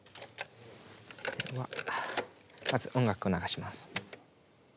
まず音楽を流します。